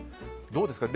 どうですか？